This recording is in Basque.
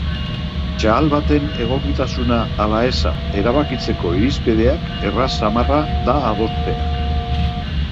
Txahal baten egokitasuna ala eza erabakitzeko irizpideak erraz samarra da adostea.